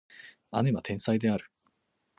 姉は天才である